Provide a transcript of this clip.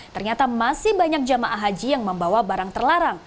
ternyata masih banyak jamaah haji yang membawa barang terlarang